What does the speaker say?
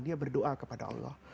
dia berdoa kepada allah